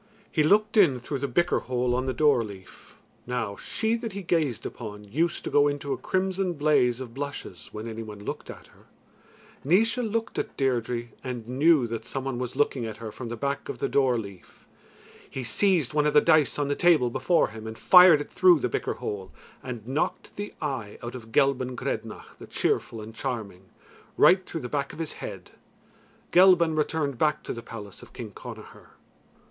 He looked in through the bicker hole on the door leaf. Now she that he gazed upon used to go into a crimson blaze of blushes when any one looked at her. Naois looked at Deirdre and knew that some one was looking at her from the back of the door leaf. He seized one of the dice on the table before him and fired it through the bicker hole, and knocked the eye out of Gelban Grednach the Cheerful and Charming, right through the back of his head. Gelban returned back to the palace of King Connachar.